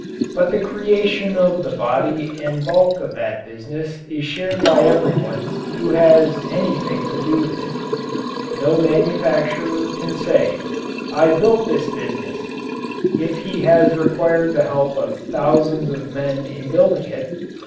But the creation of the body and bulk of that business is shared by everyone who has anything to do with it. No manufacturer can say: "I built this business" if he has required the help of thousands of men in building it.